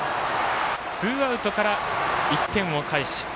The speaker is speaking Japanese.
ツーアウトから１点を返し。